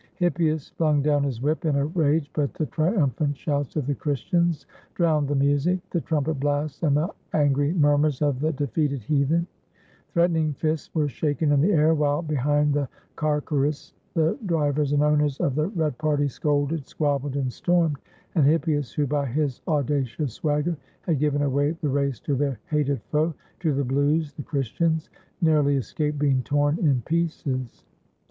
Hippias flung down his whip in a rage, but the tri umphant shouts of the Christians drowned the music, the trumpet blasts, and the angry murmurs of the de feated heathen. Threatening fists were shaken in the air, while behind the carceres the drivers and owners of 506 I THE WINNING OF THE FIRST MISSUS the red party scolded, squabbled, and stormed; and Hippias, who by his audacious swagger had given away the race to their hated foe, — to the Blues, the Chris tians, — narrowly escaped being torn in pieces.